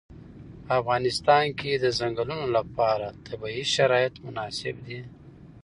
په افغانستان کې د ځنګلونه لپاره طبیعي شرایط مناسب دي.